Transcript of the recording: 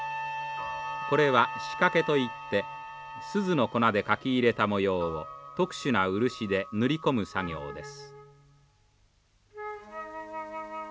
これは仕掛けといってすずの粉で描き入れた模様を特殊な漆で塗り込む作業です。